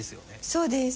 そうです。